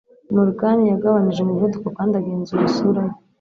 Morgan yagabanije umuvuduko kandi agenzura isura ye